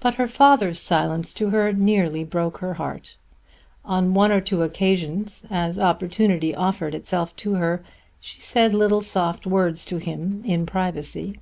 But her father's silence to her nearly broke her heart. On one or two occasions, as opportunity offered itself to her, she said little soft words to him in privacy.